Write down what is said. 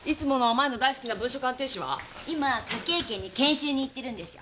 今科警研に研修に行ってるんですよ。